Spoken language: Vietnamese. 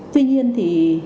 tuy nhiên thì